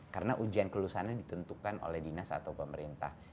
karena ujian kelulusannya ditentukan oleh dinas atau pemerintah